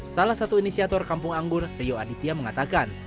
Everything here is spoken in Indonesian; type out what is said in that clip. salah satu inisiator kampung anggur rio aditya mengatakan